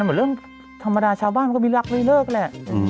เหมือนเรื่องธรรมดาชาวบ้านมันก็ไม่รักไม่เลิกแหละ